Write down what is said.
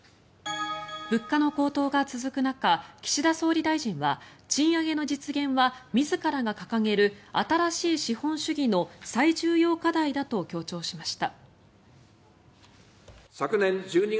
物価の高騰が続く中岸田総理大臣は賃上げの実現は自らが掲げる新しい資本主義の最重要課題だと強調しました。